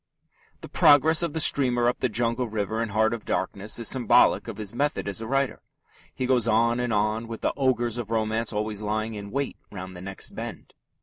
The progress of the steamer up the jungle river in Heart of Darkness is symbolic of his method as a writer. He goes on and on, with the ogres of romance always lying in wait round the next bend.